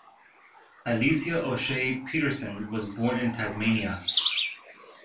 Alicia O'Shea Petersen was born in Tasmania.